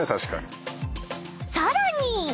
［さらに］